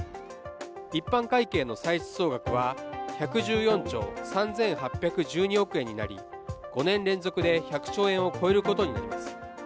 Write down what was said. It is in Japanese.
一般会計の歳出総額は１１４兆３８１２億円になり５年連続で１００兆円を超えることになります。